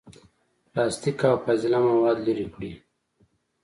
پلاستیک، او فاضله مواد لرې کړي.